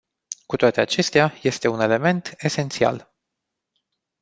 Cu toate acestea, este un element esențial.